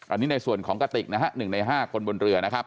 อันนี้ในส่วนของกติกนะฮะ๑ใน๕คนบนเรือนะครับ